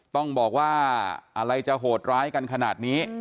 ต้องบอกว่าอะไรจะโหดร้ายกันขนาดนี้